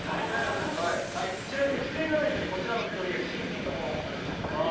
ちなみに不正がないようにこちらの黒ひげは新品のものをご用意しました。